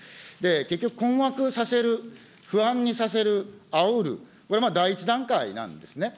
結局、困惑させる、不安にさせる、あおる、これ、第１段階なんですね。